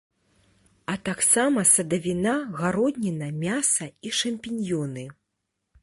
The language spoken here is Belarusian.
А таксама садавіна, гародніна, мяса і шампіньёны.